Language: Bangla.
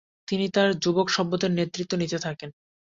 তিনি তার যুবক সভ্যদের নেতৃত্ব দিতে থাকেন।